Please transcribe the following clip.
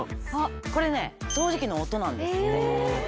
これね掃除機の音なんですって。